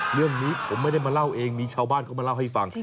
เรื่องนี้ผมไม่ได้มาเล่าเองมีชาวบ้านเข้ามาเล่าให้ฟัง